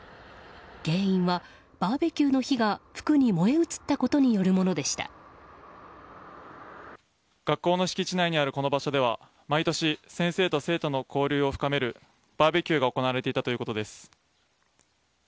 原因はバーベキューの火が服に燃え移ったことに学校の敷地内にあるこの場所では毎年、先生と生徒の交流を深めるバーベキューが行われていたということです。